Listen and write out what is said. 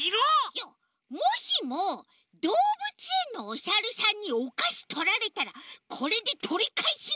いやもしもどうぶつえんのおサルさんにおかしとられたらこれでとりかえすの！